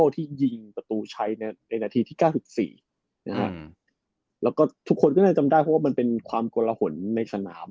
ที่ยิงประตูใช้ในนาทีที่๙๔นะฮะแล้วก็ทุกคนก็น่าจะจำได้เพราะว่ามันเป็นความกลหนในสนาม